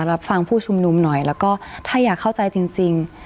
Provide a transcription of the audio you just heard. รับฟังผู้ชุมนุมหน่อยแล้วก็ถ้าอยากเข้าใจจริง